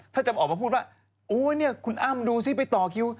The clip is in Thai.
ถ้าจะออกมาพูดว่าโอ้เนี่ยคุณอ้ำดูซิไปต่อคิว